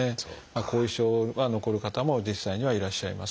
後遺症は残る方も実際にはいらっしゃいます。